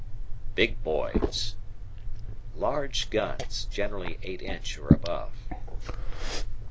"Big Boys." Large guns, generally eight inch or above.